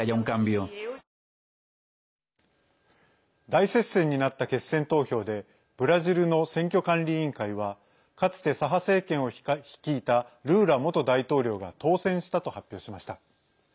大接戦になった決選投票でブラジルの選挙管理委員会はかつて左派政権を率いたルーラ元大統領が当選したと発表しました。